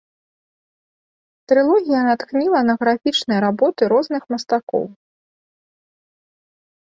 Трылогія натхніла на графічныя работы розных мастакоў.